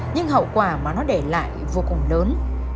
nhưng hậu quả mà nó để lại vô cùng lớn